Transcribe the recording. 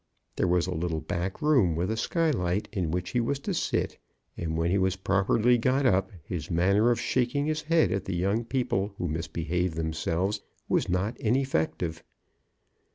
There was a little back room with a sky light, in which he was to sit; and when he was properly got up, his manner of shaking his head at the young people who misbehaved themselves, was not ineffective.